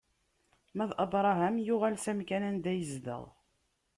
Ma d Abṛaham yuɣal s amkan anda yezdeɣ.